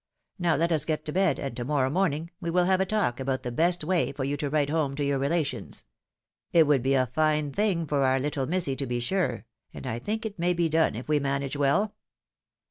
Now let us get to bed, and to morrow morning we win have a talk about the best way for you to write home to your relations. It would be a fine thing for our httle missy, to be sure ! and I think it may be done if we manage well.